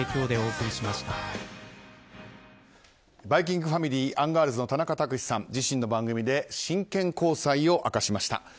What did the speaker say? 「バイキング」ファミリーアンガールズの田中卓志さん自身の番組で真剣交際を明かしました。